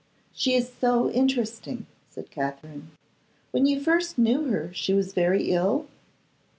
'She is so interesting!' said Katherine. 'When you first knew her she was very ill?